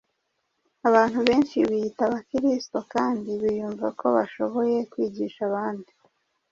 abantu benshi biyita Abakristo kandi biyumva ko bashoboye kwigisha abandi,